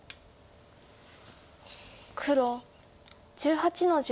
黒１８の十。